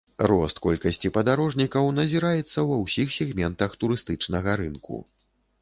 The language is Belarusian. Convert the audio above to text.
Рост колькасці падарожнікаў назіраецца ва ўсіх сегментах турыстычнага рынку.